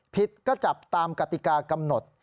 ผิดก็จับตามกติกากำหนด